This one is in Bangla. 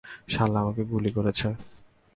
শালা আমাকে গুলি করেছে।